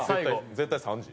絶対３時。